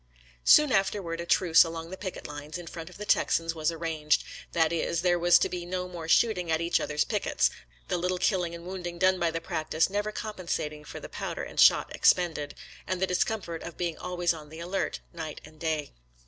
Soon afterward, a truce along the picket lines in front of the Texans was ar ranged; that is, there was to be no more shoot 146 SOLDIER'S LETTERS TO CHARMING NELLIE ing at each other's pickets — the little killing and wounding done by the practice never compensat ing for the powder and shot expended, and the discomfort of being always on the alert, night and day.